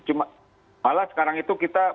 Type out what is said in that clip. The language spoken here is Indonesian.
cuma malah sekarang itu kita